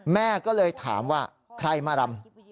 แม่ก็เลยถามว่าใครมารำ